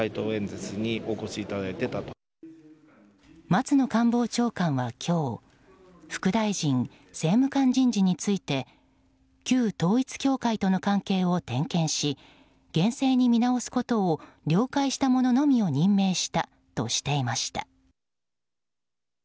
松野官房長官は今日副大臣、政務官人事について旧統一教会との関係を点検し厳正に見直すことを了解した者のみを任命したとしていました。